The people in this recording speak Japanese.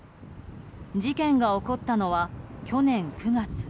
事件が起こったのは去年９月。